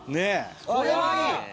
これはいい！